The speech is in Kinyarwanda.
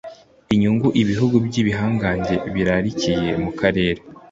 inyungu ibihugu by'ibihangange birarikiye mu karere